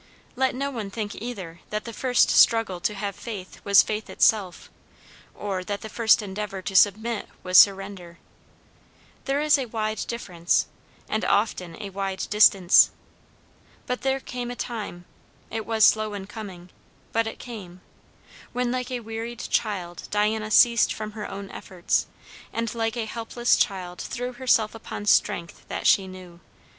Let no one think, either, that the first struggle to have faith was faith itself, or that the first endeavour to submit was surrender. There is a wide difference, and often a wide distance. But there came a time it was slow in coming, but it came when like a wearied child Diana ceased from her own efforts, and like a helpless child threw herself upon strength that she knew.